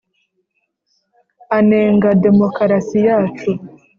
anenga demokarasi yacu.